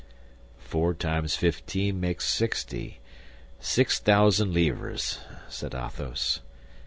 "Four times fifteen makes sixty—six thousand livres," said Athos.